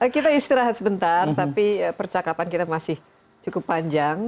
kita istirahat sebentar tapi percakapan kita masih cukup panjang